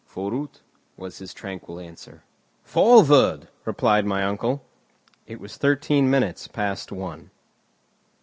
"Forüt!" was his tranquil answer. "Forward!" replied my uncle. It was thirteen minutes past one.